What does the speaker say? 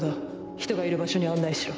人がいる場所に案内しろ。